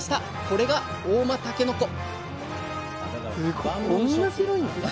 これが合馬たけのこ！